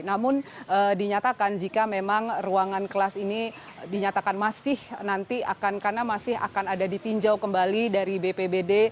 namun dinyatakan jika memang ruangan kelas ini dinyatakan masih nanti akan karena masih akan ada ditinjau kembali dari bpbd